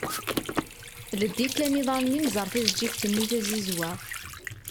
Ldi kan iḍarren-im ẓer tajeğğigt-nni tazizwaɣt.